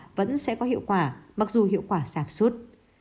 và các vaccine hiện có vẫn sẽ có hiệu quả mặc dù hiệu quả sạp suốt